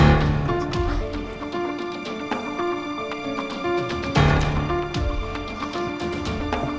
adalah dunia gue sayang